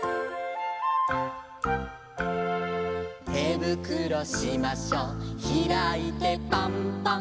「てぶくろしましょひらいてぱんぱん」